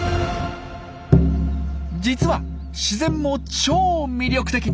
実は自然も超魅力的。